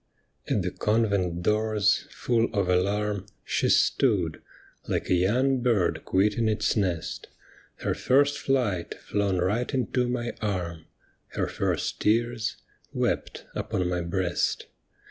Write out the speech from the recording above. At the convent doors, full of alarm She stood, Hkc a young bird quitting its nest. Her first flight flown right into my arm. Her first tears wept upon my breast.